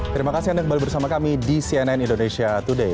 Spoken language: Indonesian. terima kasih anda kembali bersama kami di cnn indonesia today